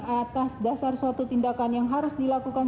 atas dasar suatu tindakan yang harus dilakukan